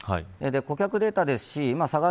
顧客データですし佐川